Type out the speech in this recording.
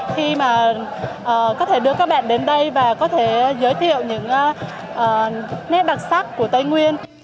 khi mà có thể đưa các bạn đến đây và có thể giới thiệu những nét đặc sắc của tây nguyên